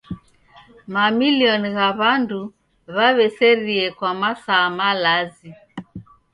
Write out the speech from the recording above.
Mamilioni gha w'andu w'aw'eserie kwa masaa malazi.